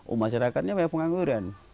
oh masyarakatnya banyak pengangguran